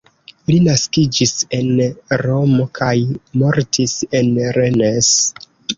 Li naskiĝis en Romo kaj mortis en Rennes.